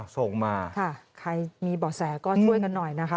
ส่งมาใครมีเบาะแสก็ช่วยกันหน่อยนะคะ